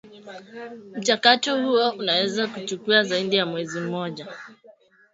mchakato huo unaweza kuchukua zaidi ya mwezi mmoja